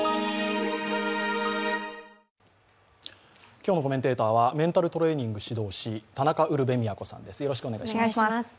今日のコメンテーターは、メンタルトレーニング指導士、田中ウルヴェ京さんです。